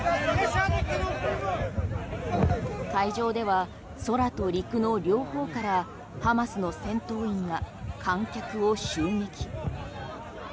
会場では空と陸の両方からハマスの戦闘員が観客を襲撃。